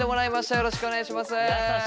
よろしくお願いします。